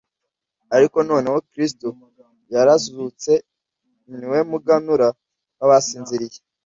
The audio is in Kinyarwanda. ariko noneho kristo yarazutse, ni we muganura w’abasinziriye.